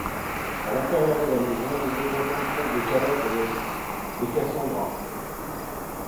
À l'intérieur de la maison, les deux agents trouvent les cadavres des Cassandra.